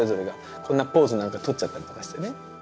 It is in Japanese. こんなポーズなんか取っちゃったりとかしてね。